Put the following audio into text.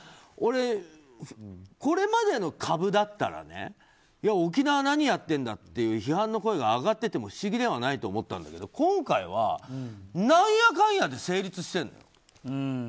俺、これまでの株だったら沖縄何やってんだって批判の声が上がってても不思議ではないと思ったんだけど今回は何やかんやで成立してるの。